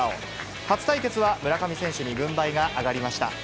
初対決は村上選手に軍配が上がりました。